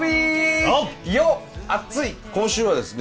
今週はですね